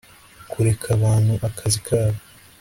Kureka abantu akazi kabo